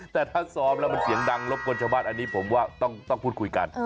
แต่ถ้าซ้อมแล้วมันเสียงดังรบกวนชาวบ้านอันนี้ผมว่าต้องพูดคุยกัน